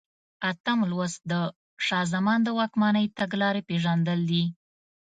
اتم لوست د شاه زمان د واکمنۍ تګلارې پېژندل دي.